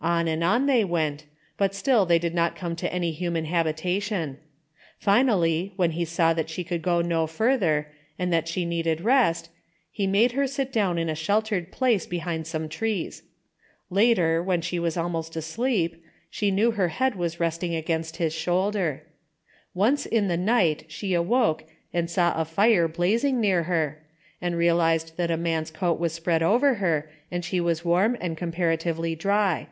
On and on they went, but still they did not come to any human habita tion. Finally, when he saw that she could go no further, and that she needed rest, he made her sit down in a sheltered place behind some trees. Later, when she was almost asleep, she knew her head was resting against his shoulder. Once in the night she awoke and saw a fire blazing near her, and realized that a man's coat was spread over her and she was warm and com paratively dry.